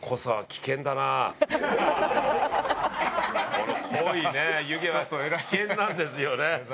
この濃い湯気は危険なんですよね。